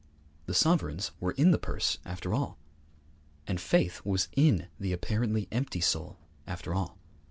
The sovereigns were in the purse after all. And faith was in the apparently empty soul after all.